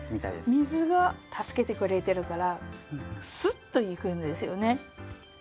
水が助けてくれてるからすっといくんですよね。